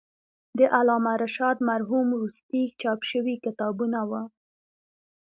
د علامه رشاد مرحوم وروستي چاپ شوي کتابونه و.